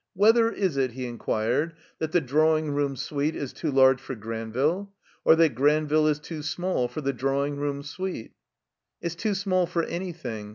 "Whether is it," he inquired, "that the drawing room suite is too large for Granville? Or that Gran ville is too small for the drawing room suite?" "It's too small for anjrthing.